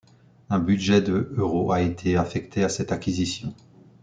Un budget de euros a été affecté à cette acquisition.